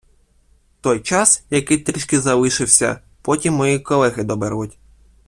Той час, який трішки залишився, потім мої колеги доберуть.